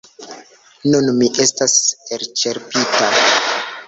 Nun mi estas elĉerpita.